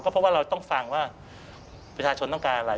เพราะว่าเราต้องฟังว่าประชาชนต้องการอะไร